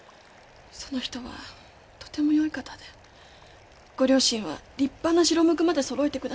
その人はとてもよい方でご両親は立派な白無垢まで揃えて下さる。